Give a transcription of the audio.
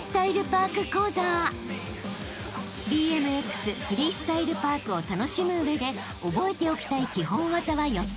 ［ＢＭＸフリースタイル・パークを楽しむ上で覚えておきたい基本技は４つ。